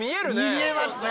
見えますね！